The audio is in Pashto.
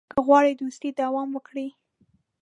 که غواړې دوستي دوام وکړي.